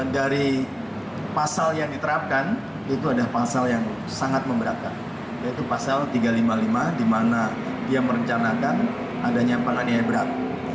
dari pasal yang diterapkan itu ada pasal yang sangat memberatkan yaitu pasal tiga ratus lima puluh lima di mana dia merencanakan adanya penganiaya berat